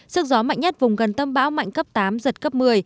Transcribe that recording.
sức gió mạnh nhất vùng gần tâm bão mạnh cấp tám giật cấp một mươi